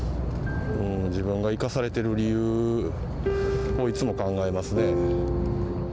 自分が生かされてる理由をいつも考えますね。